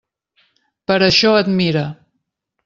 Per això et mire.